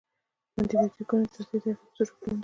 د انټي بیوټیکونو د تاثیر طریقه په څو شکلونو ده.